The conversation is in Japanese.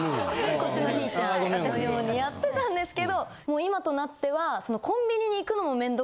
こっちのひぃちゃんようにやってたんですけど今となっては。